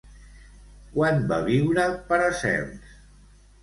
Quan va viure Paracels?